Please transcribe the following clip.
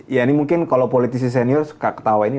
ya ini mungkin kalau politisi senior suka ketawa ini